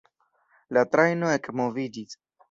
La trajno ekmoviĝis.